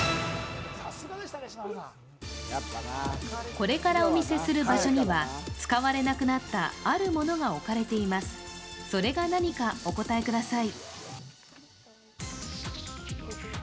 これからお見せする場所には使われなくなったあるものが置かれています、それが何かお答えください。